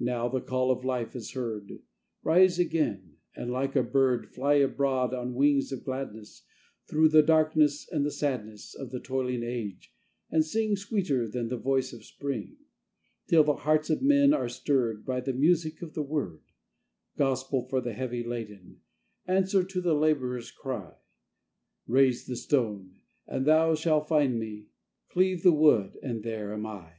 Now the call of life is heard: Rise again, and like a bird, Fly abroad on wings of gladness Through the darkness and the sadness, Of the toiling age, and sing Sweeter than the voice of Spring, Till the hearts of men are stirred By the music of the word, Gospel for the heavy laden, answer to the labourer's cry: "_Raise the stone, and thou shall find me; cleave the wood and there am I.